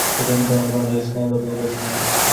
সুতরাং ধর্মের কোন দোষ নাই, লোকেরই দোষ।